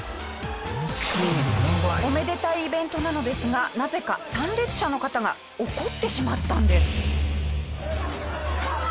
おめでたいイベントなのですがなぜか参列者の方が怒ってしまったんです。